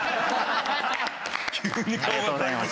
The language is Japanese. ありがとうございます。